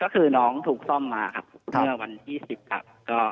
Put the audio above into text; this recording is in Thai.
ก็คือน้องถูกซ่อมมาครับเมื่อวันที่๑๐ครับ